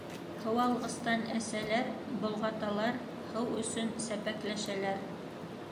Һыуалғыстан әсәләр, болғаталар, һыу өсөн сәпәкләшәләр...